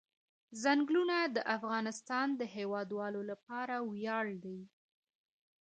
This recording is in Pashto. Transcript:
ځنګلونه د افغانستان د هیوادوالو لپاره ویاړ دی.